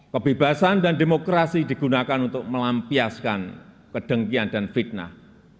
kebebasan dan demokrasi digunakan untuk melampiaskan kedengkian dan fitnah